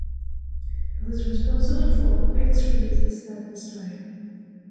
He was responsible for X releases at this time.